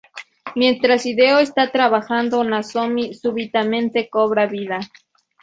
Mientras Hideo está trabajando, Nozomi súbitamente cobra vida.